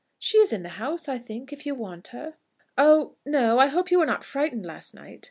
"She is in the house, I think, if you want her." "Oh no. I hope you were not frightened last night.